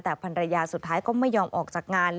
แต่ภรรยาสุดท้ายก็ไม่ยอมออกจากงาน